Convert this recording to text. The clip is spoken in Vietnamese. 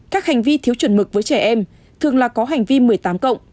các hành vi thiếu chuẩn mực với trẻ em thường là có hành vi một mươi tám cộng